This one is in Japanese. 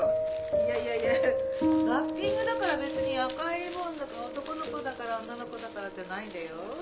いやいやいやラッピングだから別に赤いリボン男の子だから女の子だからじゃないんだよ。